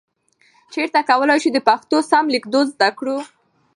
چیرته کولای شو د پښتو سم لیکدود زده کړو؟